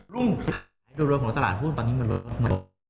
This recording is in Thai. รุ่นชีวิตไทยโดนรวมของตลาดหุ้นตอนนี้มันลงบน